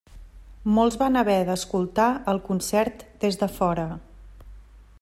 Molts van haver d'escoltar el concert des de fora.